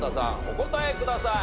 お答えください。